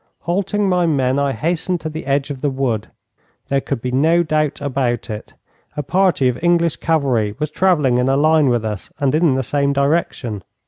Halting my men I hastened to the edge of the wood. There could be no doubt about it. A party of English cavalry was travelling in a line with us, and in the same direction.